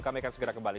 kami akan segera kembali